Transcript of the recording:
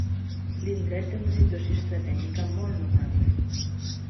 L'indret té una situació estratègica molt notable.